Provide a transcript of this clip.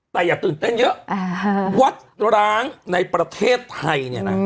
แต่อย่าตื่นเต้นเยอะวัดร้างในประเทศไทยเนี่ยนะ